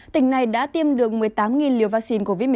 tỉnh này đã tiêm được một mươi tám liều vaccine covid một mươi chín